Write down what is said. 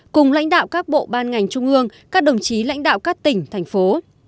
cùng lãnh đạo các bộ ban ngành trung ương các đồng chí lãnh đạo các tỉnh thành phố